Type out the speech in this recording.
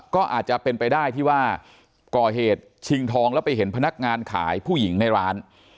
ก็อาจจะเป็นไปได้ที่ว่าก่อเหตุชิงทองแล้วไปเห็นพนักงานขายผู้หญิงในร้าน